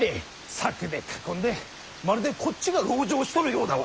柵で囲んでまるでこっちが籠城しとるようだわ。